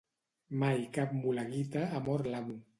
Mai cap mula guita ha mort l'amo.